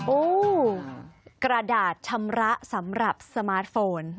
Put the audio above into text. โอ้กระดาษชำระสำหรับสมาร์ทโฟน